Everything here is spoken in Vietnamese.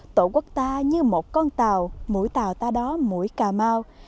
tổ quốc ta như một con tàu mỗi tàu ta đó mũi cà mau